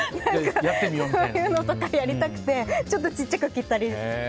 そういうのとかやりたくてちょっとちっちゃく切ったり。